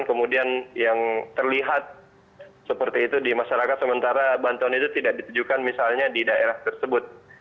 kemudian yang terlihat seperti itu di masyarakat sementara bantuan itu tidak ditujukan misalnya di daerah tersebut